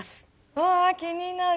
わあ気になる。